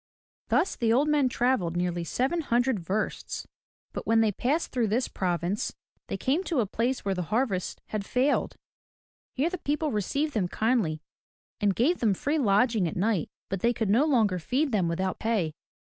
Thus the old men traveled nearly seven hundred versts. But when they passed through this province they came to a place where the harvest had failed. Here the people received them kindly and gave them free lodging at night but they could no longer feed them without pay.